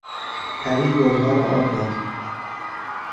پری گلها را آب داد.